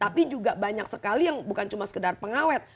tapi juga banyak sekali yang bukan cuma sekedar pengawet